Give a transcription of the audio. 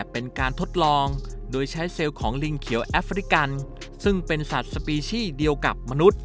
เป็นการทดลองโดยใช้เซลล์ของลิงเขียวแอฟริกันซึ่งเป็นสัตว์สปีชี่เดียวกับมนุษย์